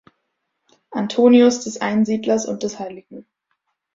Antonius des Einsiedlers und des Hl.